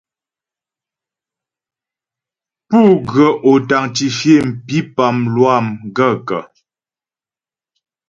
Pú ghə́ authentifier mpípá lwâ m gaə̂kə́ ?